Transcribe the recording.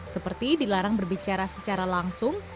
seperti dilarang berbicara secara langsung